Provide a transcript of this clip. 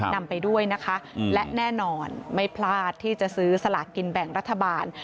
นำไปด้วยนะคะและแน่นอนไม่พลาดที่จะซื้อสลากกินแบ่งรัฐบาล